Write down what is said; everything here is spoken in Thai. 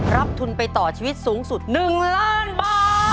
รับทุนไปต่อชีวิตสูงสุด๑ล้านบาท